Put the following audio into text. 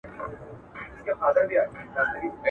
د مسافر لالي د پاره!